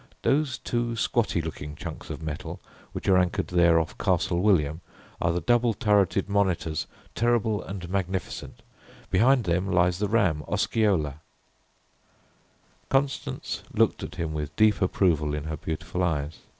Those two squatty looking chunks of metal which are anchored there off Castle William are the double turreted monitors Terrible and Magnificent; behind them lies the ram, Osceola." Constance looked at him with deep approval in her beautiful eyes.